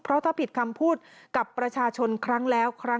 เพราะถ้าผิดคำพูดกับประชาชนครั้งแล้วครั้ง